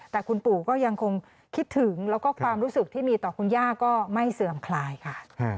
แต่คุณปู่ก็ยังคงคิดถึงแล้วก็ความรู้สึกที่มีต่อคุณย่าก็ไม่เสื่อมคลายค่ะ